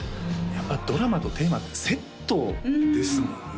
やっぱりドラマとテーマってセットですもんね